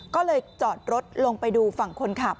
ก็เลยจอดรถลงไปดูฝั่งคนขับ